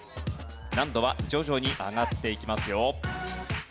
難度は徐々に上がっていきますよ。